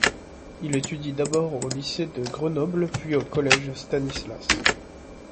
Il étudie d'abord au lycée de Grenoble puis au collège Stanislas.